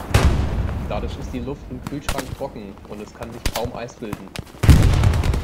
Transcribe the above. Dadurch ist die Luft im Kühlschrank trocken, und es kann sich kaum Eis bilden.